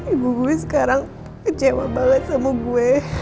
ibu gue sekarang kecewa banget sama gue